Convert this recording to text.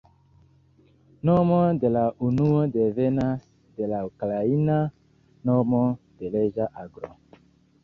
Nomo de la unuo devenas de la ukraina nomo de reĝa aglo.